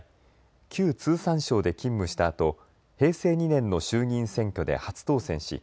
旧通産省で勤務したあと平成２年の衆議院選挙で初当選し